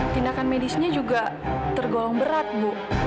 tindakan medisnya juga tergolong berat bu